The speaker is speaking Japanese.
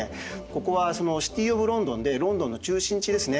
ここはシティ・オブ・ロンドンでロンドンの中心地ですね。